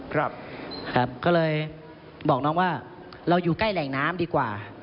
ครับครับก็เลยบอกน้องว่าเราอยู่ใกล้แหล่งน้ำดีกว่า